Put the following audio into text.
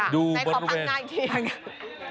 ไหนขอพังงาอีกที